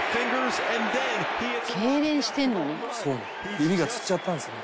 「指がつっちゃったんですね